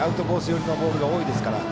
寄りのボールが多いですから。